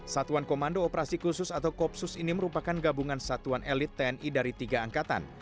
satuan komando operasi khusus atau kopsus ini merupakan gabungan satuan elit tni dari tiga angkatan